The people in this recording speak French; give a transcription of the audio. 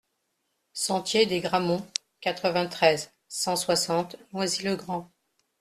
Sentier des Grammonts, quatre-vingt-treize, cent soixante Noisy-le-Grand